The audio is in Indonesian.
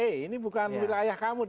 eh ini bukan wilayah kamu